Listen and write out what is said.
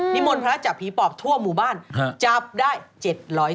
มนต์พระจับผีปอบทั่วหมู่บ้านจับได้๗๐๐คน